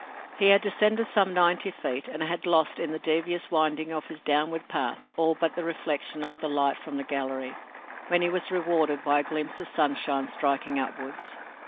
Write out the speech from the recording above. He had descended some ninety feet, and had lost, in the devious windings of his downward path, all but the reflection of the light from the gallery, when he was rewarded by a glimpse of sunshine striking upwards.